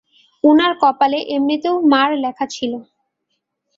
উনার কপালে এমনিতেও মার লেখা ছিল!